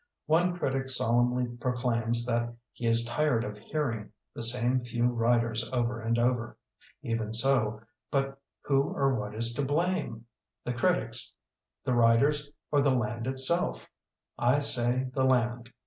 One critic solemnly proclaims that he is tired of hearing the same few writers over and over. Even so, but who or what is to blame? The critics, the writers, or the land itself? I say the land.